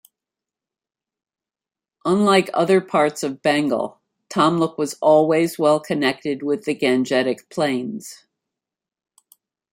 Unlike other parts of Bengal, Tamluk was always well connected with the Gangetic plains.